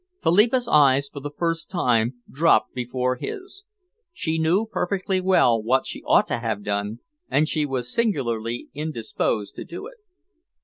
Philippa's eyes for the first time dropped before his. She knew perfectly well what she ought to have done and she was singularly indisposed to do it.